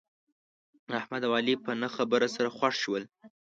احمد او علي په نه خبره سره خښ شول.